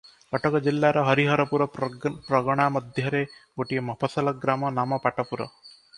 କଟକ ଜିଲାର ହରିହରପୁର ପ୍ରଗନା ମଧ୍ୟରେ ଗୋଟିଏ ମଫସଲ ଗ୍ରାମ, ନାମ ପାଟପୁର ।